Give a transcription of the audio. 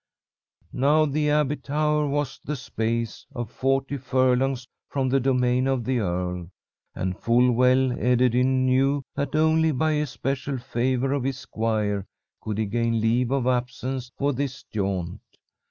"Now the abbey tower was the space of forty furlongs from the domain of the earl, and full well Ederyn knew that only by especial favour of his squire could he gain leave of absence for this jaunt.